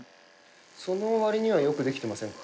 そのわりにはよくできてませんか。